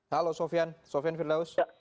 halo sofyan sofyan firdaus